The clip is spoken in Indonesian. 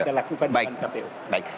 yang akan dilakukan dengan kpu